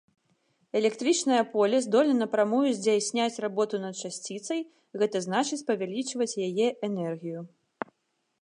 Электрычнае поле здольна напрамую здзяйсняць работу над часціцай, гэта значыць павялічваць яе энергію.